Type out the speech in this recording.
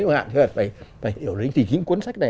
nhưng mà chứ phải hiểu lýnh thì những cuốn sách này